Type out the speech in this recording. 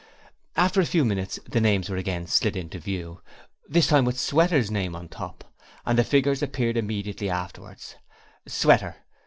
After a few minutes the names were again slid into view, this time with Sweater's name on top, and the figures appeared immediately afterwards: Sweater